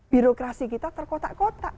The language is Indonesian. birokrasi kita terkotak kotak